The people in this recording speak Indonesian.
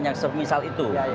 yang semisal itu